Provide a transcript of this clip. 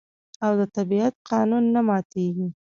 او د طبیعت قانون نه ماتیږي.